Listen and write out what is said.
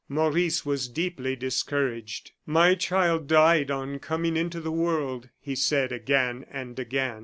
Maurice was deeply discouraged. "My child died on coming into the world," he said, again and again.